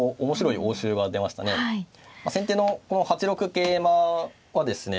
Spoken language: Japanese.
先手のこの８六桂馬はですね